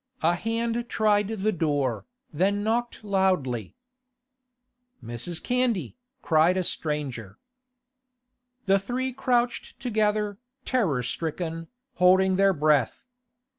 A hand tried the door, then knocked loudly. 'Mrs. Candy,' cried a stranger. The three crouched together, terror stricken, holding their breath.